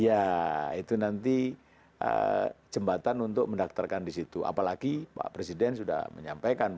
iya itu nanti jembatan untuk mendaktarkan disitu apalagi mbak presiden sudah menjelaskan tentang itu